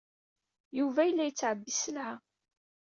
Yuba yella yettɛebbi sselɛa.